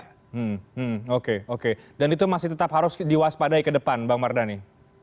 hmm oke oke dan itu masih tetap harus diwaspadai ke depan bang mardhani